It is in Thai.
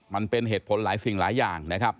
มันเป็นเหตุผลหลายสิ่งหลายอย่างนะครับ